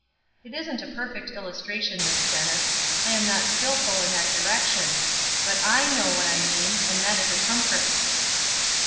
It isn't a perfect illustration, Miss Dennis. I'm not skillful in that direction; but I know what I mean, and that is a comfort."